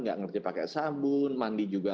nggak ngerti pakai sabun mandi juga